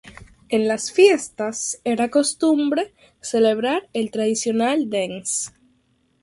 En las fiestas era costumbre celebrar el tradicional Dance.